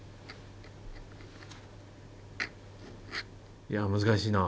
いや難しいなあ。